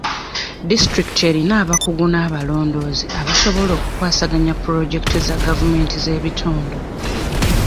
Disitulikiti erina abakugu n'abalondoozi abasobola okukwasaganya puloojekiti za gavumenti z'ebitundu.